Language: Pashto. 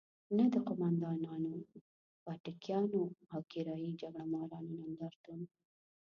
نه د قوماندانانو، پاټکیانو او کرايي جګړه مارانو نندارتون.